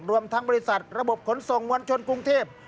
รวมทั้งบริษัทระบบขนส่งมวลชนกรุงเทพ